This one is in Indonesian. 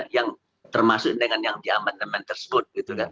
yang termasuk dengan yang di amandemen tersebut